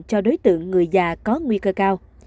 cho đối tượng người già có nguy cơ cao